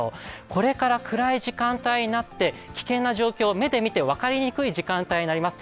これから暗い時間帯になって危険な状況、目で見て分かりにくい時間帯になります。